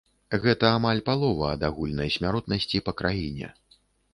Гэта амаль палова ад агульнай смяротнасці па краіне.